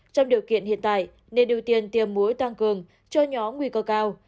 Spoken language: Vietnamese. trong điều kiện hiện tại nên ưu tiên tiêm mũi tăng cường cho nhóm nguy cơ cao